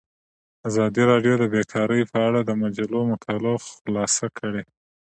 ازادي راډیو د بیکاري په اړه د مجلو مقالو خلاصه کړې.